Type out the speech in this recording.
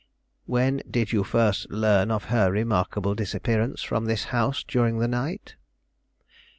"When did you first learn of her remarkable disappearance from this house during the night?"